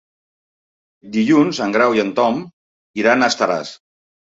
Dilluns en Grau i en Tom iran a Estaràs.